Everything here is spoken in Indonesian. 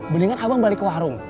mendingan abang balik ke warung